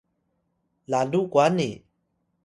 lalu kwani